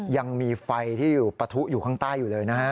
ยังมีไฟที่อยู่ปะทุอยู่ข้างใต้อยู่เลยนะฮะ